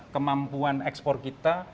kemampuan ekspor kita